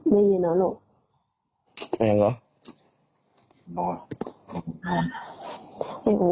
ไม่ยินหรอลูกไม่ยินหรอ